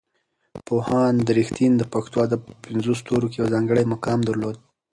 پوهاند رښتین د پښتو ادب په پنځو ستورو کې یو ځانګړی مقام درلود.